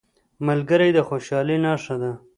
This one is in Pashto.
ملګری د خوشحالۍ نښه ده